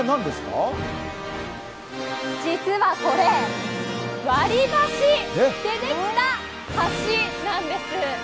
実はこれ、割り箸でできた橋なんです。